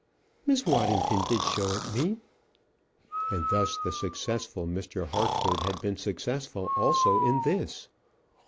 "Miss Waddington did show it to me." And thus the successful Mr. Harcourt had been successful also in this.